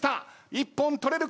一本取れるか？